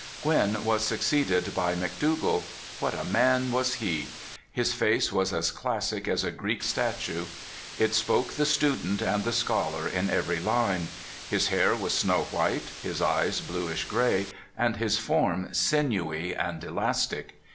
Gwin was succeeded by McDougall. What a man was he ! His face was as classic as a Greek statue. It spoke the student and the scholar in every line. His hair was snow white, his eyes bluish gray, and his form sinewy and elastic.